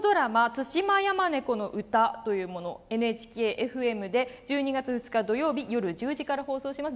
「ツシマヤマネコの歌」というものをＮＨＫ‐ＦＭで１２月２日土曜日、夜１０時から放送します。